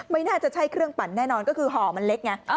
ไม่น่าจะใช่เครื่องปั่นแน่นอนก็คือห่อมันเล็กไง